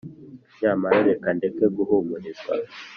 nyamara reka ndeke guhumurizwa: